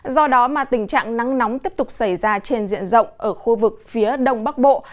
do đó tình trạng nắng nóng tiếp tục xảy ra trên diện rộng ở khu vực phía đông bắc bộ